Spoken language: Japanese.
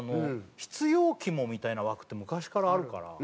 必要キモみたいな枠って昔からあるから。